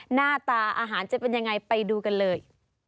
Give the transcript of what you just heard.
หน้าตาอาหารจะเป็นยังไงไปดูกันเลย